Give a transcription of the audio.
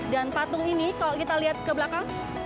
dan patung ini kalau kita lihat ke belakang